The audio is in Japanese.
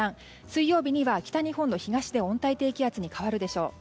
水曜日には北日本の東で温帯低気圧に変わるでしょう。